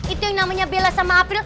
itu yang namanya bela sama april